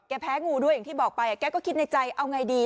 แพ้งูด้วยอย่างที่บอกไปแกก็คิดในใจเอาไงดี